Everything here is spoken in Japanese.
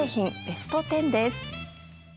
ベスト１０です。